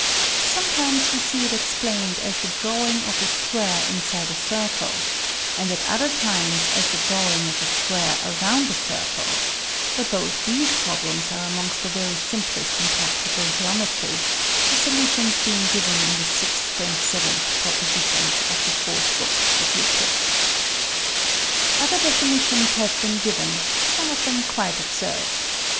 Sometimes we see it explained as the drawing of a square inside a circle and at other times as the drawing of a square around a circle, but both these problems are amongst the very simplest in practical geo metry, the solutions being given in the sixth and seventh propositions of the Fourth Book of Euclid. Other defini tions have been given, some of them quite absurd.